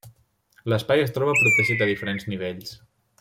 L'espai es troba protegit a diferents nivells.